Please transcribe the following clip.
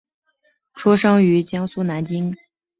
出生于江苏南京。